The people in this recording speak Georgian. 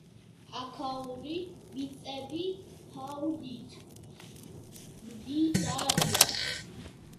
აქაური მიწები ფაუნით მდიდარია.